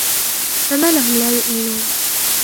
فما لهم لا يؤمنون